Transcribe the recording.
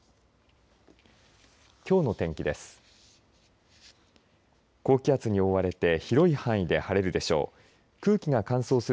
きょうの天気です。